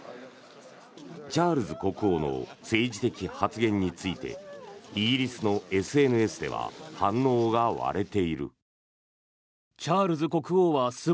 チャールズ国王の政治的発言についてイギリスのＳＮＳでは反応が割れている。